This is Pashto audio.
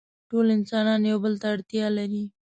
ټول انسانان يو بل ته اړتيا لري.